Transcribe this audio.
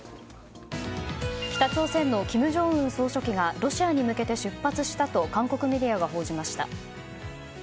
北朝鮮の金正恩総書記がロシアに向けて出発したと韓国メディアが報じました。